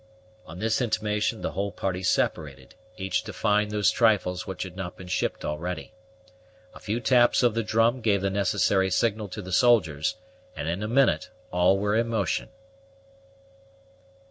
On this intimation the whole party separated, each to find those trifles which had not been shipped already. A few taps of the drum gave the necessary signal to the soldiers, and in a minute all were in motion.